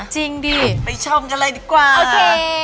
จริงดิไปชมกันเลยดีกว่าโอเค